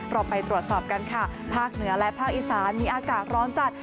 เราไปตรวจสอบกันค่ะภาคเหนือและภาคอีสานมีอากาศร้อนจัด